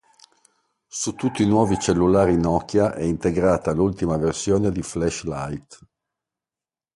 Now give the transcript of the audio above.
Su tutti i nuovi cellulari nokia è integrata l'ultima versione di flash lite.